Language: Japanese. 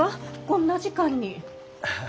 こんな時間に。